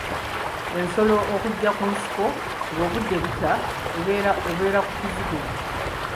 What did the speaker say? Ensolo okujja ku nsiko ng’obudde bukya n’ebeera ku kizigo.